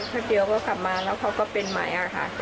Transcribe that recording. แป๊บเดียวก็กลับมาแล้วเขาก็เป็นใหม่อะค่ะ